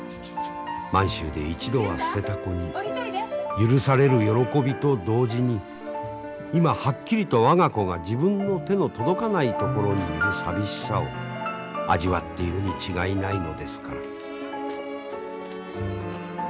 満州で一度は捨てた子に許される喜びと同時に今はっきりと我が子が自分の手の届かない所にいる寂しさを味わっているに違いないのですから。